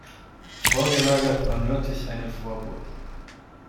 Vorgelagert war nördlich eine Vorburg.